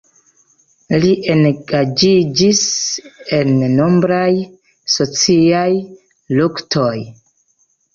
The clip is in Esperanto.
Li engaĝiĝis en nombraj sociaj luktoj.